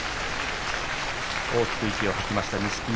大きく息を吐きました錦木。